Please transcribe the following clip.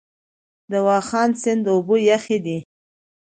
د واخان سیند اوبه یخې دي؟